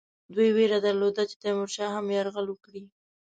دوی وېره درلوده چې تیمورشاه هم یرغل وکړي.